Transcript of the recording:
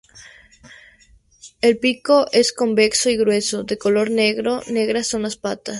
El pico es convexo y grueso, de color negro; negras son las patas.